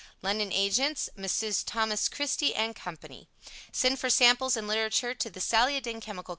London Agents: Messrs. Thomas Christy & Company. Send for samples and literature to the Saliodin Chemical Co.